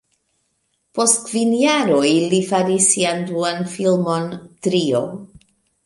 Post kvin jaroj li faris sian duan filmon, "Trio".